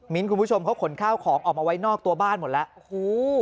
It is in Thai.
คุณผู้ชมเขาขนข้าวของออกมาไว้นอกตัวบ้านหมดแล้วโอ้โห